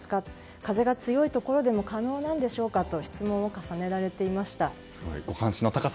風が強いところでも可能なんでしょうかと質問を重ねられていました。